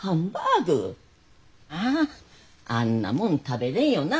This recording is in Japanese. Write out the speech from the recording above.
ああんなもん食べれんよな。